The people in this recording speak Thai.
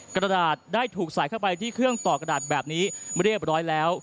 กระดาษได้ถูกใส่เข้าไปที่เครื่องต่อกระดาษแบบนี้เรียบร้อยแล้ว